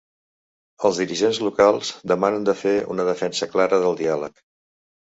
Els dirigents locals demanen de fer una defensa clara del diàleg.